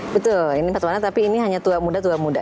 betul ini empat warna tapi ini hanya tua muda tua muda